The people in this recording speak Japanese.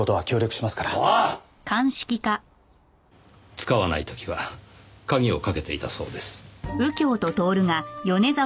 使わない時は鍵をかけていたそうです。